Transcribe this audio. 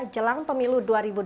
jelang pemilu dua ribu dua puluh